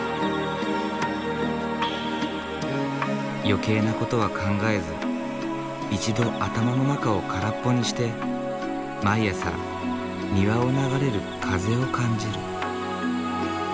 余計なことは考えず一度頭の中を空っぽにして毎朝庭を流れる風を感じる。